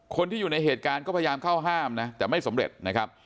คนที่อยู่ในเหตุการณ์ก็พยายามเข้าห้ามนะแต่ไม่สำเร็จนะครับ